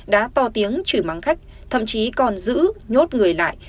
đã to tiếng chửi mắng khách thậm chí còn giữ nhốt người lại